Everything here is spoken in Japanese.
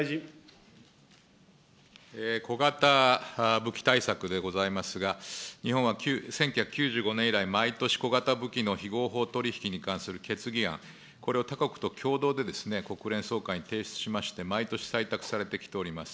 小型武器対策でございますが、日本は１９９５年以来、毎年、小型武器の非合法取り引きに関する決議案、これを他国と共同で国連総会に提出しまして、毎年採択されてきております。